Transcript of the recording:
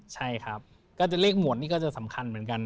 ใช่ครับก็จะเลขหมดนี่ก็จะสำคัญเหมือนกัน